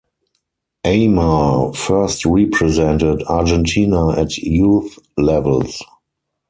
Aimar first represented Argentina at youth levels.